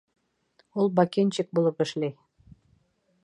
Ул бакенщик булып эшләй.